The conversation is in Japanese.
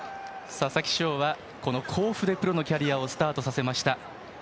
佐々木翔は甲府でプロのキャリアをスタートさせました。